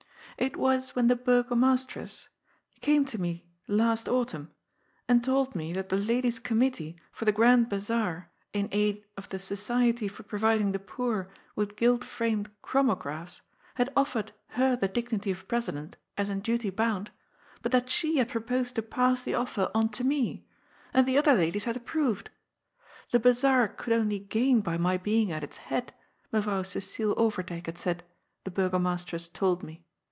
It was when the Burgomasteress came to me last autumn and told me that the Ladies' Com mittee for the Grand Bazaar in aid of the Society for pro viding the poor with gilt framed Chromographs had offered her the dignity of President, as in duty bound, but that she had proposed to pass the offer on to me, and that the other ladies had approved. The Bazaar could only gain by my 292 GOD'S FOOL. being at its head, Mevrouw C6cile Overdyk had said, the Burgomasteress told me.